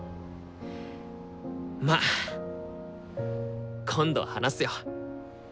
まあ今度話すよ。